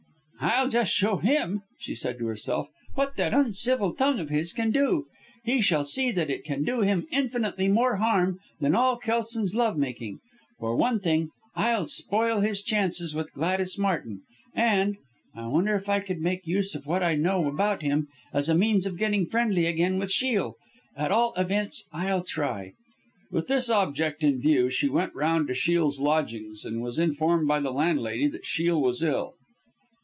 "I'll just show him," she said to herself, "what that uncivil tongue of his can do. He shall see that it can do him infinitely more harm than all Kelson's love making. For one thing I'll spoil his chances with Gladys Martin; and I wonder if I could make use of what I know about him, as a means of getting friendly again with Shiel. At all events I'll try." With this object in view she went round to Shiel's lodgings, and was informed by the landlady that Shiel was ill.